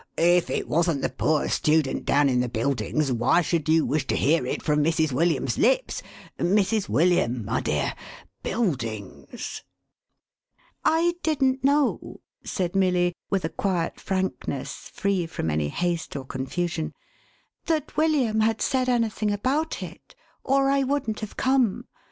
" If i t wasn't the poor student down in the Buildings, why should you wish to hear it from Mrs. William's lips? Mrs. William, my dear — Buildings." "I didn't know," said Milly, with a quiet frankness, free from any haste or confusion, "that William had said any thing ahout it, or I wouldn't have come.